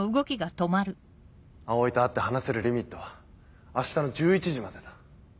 葵と会って話せるリミットは明日の１１時までだ。